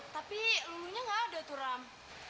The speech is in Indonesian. tapi lulunya nggak ada tuh ram